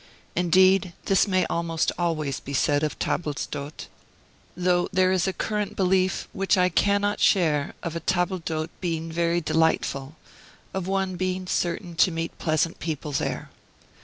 Indeed this may almost always be said of tables d'hote; though there is a current belief, which I cannot share, of a table d'hote being very delightful of one being certain to meet pleasant people there."